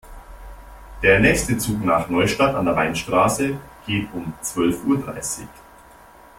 Der nächste Zug nach Neustadt an der Weinstraße geht um zwölf Uhr dreißig